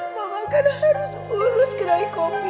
mama karena harus urus kedai kopi